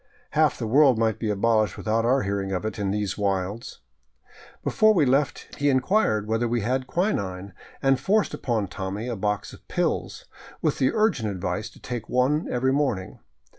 Half the world might be abolished without our hearing of it in these wilds. Before we left he inquired whether we had quinine, and forced upon Tommy a box of pills, with •the urgent advice to take one every morning.